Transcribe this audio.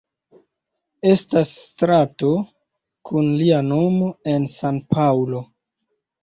Estas strato kun lia nomo en San-Paŭlo.